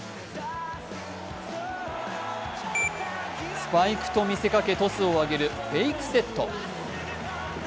スパイクと見せかけトスを上げるフェイクセット。